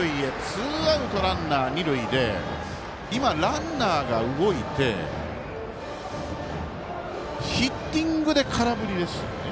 ツーアウト、ランナー、二塁で今、ランナーが動いてヒッティングで空振りですよね。